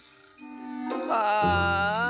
ああ。